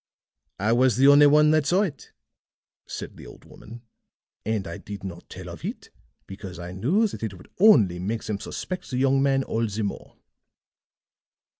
"I was the only one that saw it," said the old woman, "and I did not tell of it because I knew that it would only make them suspect the young man all the more."